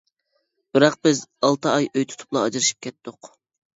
-بىراق، بىز ئالتە ئاي ئۆي تۇتۇپلا ئاجرىشىپ كەتتۇق.